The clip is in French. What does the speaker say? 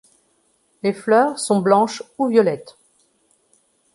Les fleurs sont blanches ou violettes.